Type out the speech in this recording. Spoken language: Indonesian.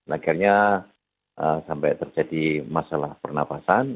akhirnya sampai terjadi masalah pernafasan